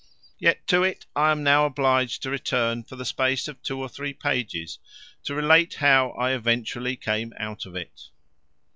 Yet to it I am now obliged to return for the space of two or three pages to relate how I eventually came out of it.